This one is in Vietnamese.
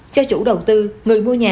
cho chủ đầu tư người mua nhà